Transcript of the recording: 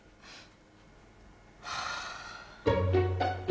はあ。